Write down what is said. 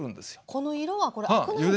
この色はこれアクなんですね。